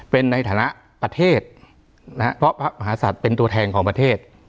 เป็นในฐานะประเทศนะครับเพราะพระมหาศัตริย์เป็นตัวแทนของประเทศ